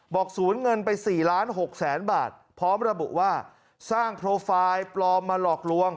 ศูนย์เงินไป๔ล้านหกแสนบาทพร้อมระบุว่าสร้างโปรไฟล์ปลอมมาหลอกลวง